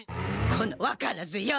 このわからず屋！